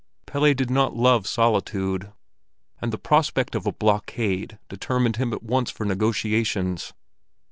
Pelle did not love solitude, and the prospect of a blockade determined him at once for negotiations.